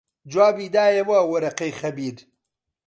جوابی دایەوە وەرەقەی خەبیر